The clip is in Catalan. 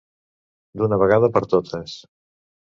D'una vegada per totes.